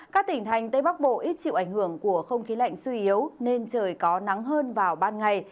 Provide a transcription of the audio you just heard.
các tỉnh thành tây bắc bộ ít chịu ảnh hưởng của không khí lạnh suy yếu nên trời có nắng hơn vào ban ngày